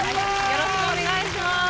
よろしくお願いします。